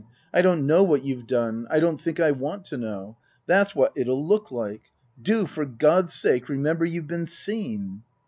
I don't know what you've done. I don't think I want to know. That's what it'll look like. Do, for God's sake, remember you've been seen."